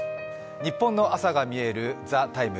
ニッポンの朝がみえる「ＴＨＥＴＩＭＥ，」